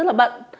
rất là bận